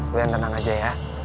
gue yang tenang aja ya